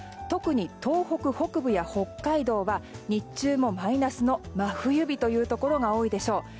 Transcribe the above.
特に東北北部や北海道は日中もマイナスの真冬日というところが多いでしょう。